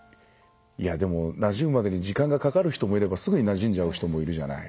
でも、なじむまでに時間がかかる人もいればすぐになじんじゃう人もいるじゃない。